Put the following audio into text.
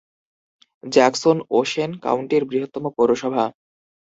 Jackson Ocean কাউন্টির বৃহত্তম পৌরসভা।